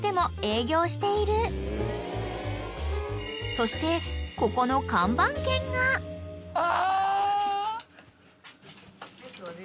［そしてここの看板犬が］あ！